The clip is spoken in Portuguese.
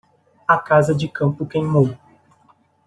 A casa de campo queimou.